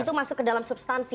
itu masuk ke dalam substansi